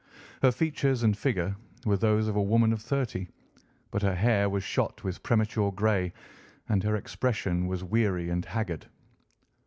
Her features and figure were those of a woman of thirty, but her hair was shot with premature grey, and her expression was weary and haggard.